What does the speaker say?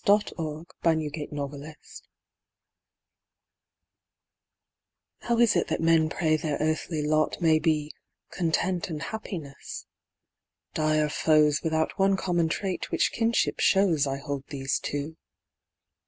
CONTENT AND HAPPINESS How is it that men pray their earthly lot May be 'content and happiness'? Dire foes Without one common trait which kinship shows I hold these two.